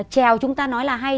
trèo chúng ta nói là hay